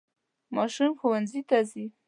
ماشوم ښوونځي ته ځي.